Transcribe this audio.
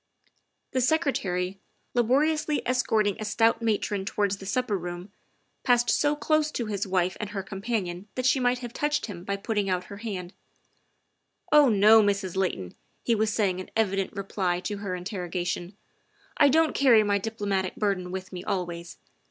The Secretary, laboriously escorting a stout matron towards the supper room, passed so close to his wife and her companion that she might have touched him by put ting out her hand. " Oh, no, Mrs. Layton," he was saying in evident reply to her interrogation, " I don't carry my diplo matic burden with me always.